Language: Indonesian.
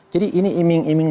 jadi ini iming iming